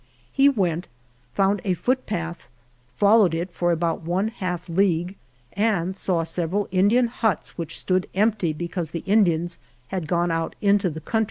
He went, found a foot path, followed it for about one half league, and saw several Indian huts which stood empty because the Indians had gone out into the field.